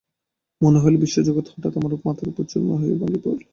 মনে হইল, বিশ্বজগৎ হঠাৎ আমার মাথার উপর চুরমার হইয়া ভাঙিয়া পড়িয়া গেল।